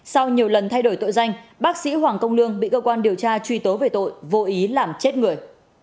sau nhiều lần thay đổi tội danh bác sĩ hoàng công lương bị cơ quan điều tra truy tố về tội vô ý làm chết người